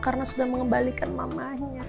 karena sudah mengembalikan mamanya